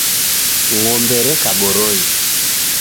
Ng'ombe reka boronyi.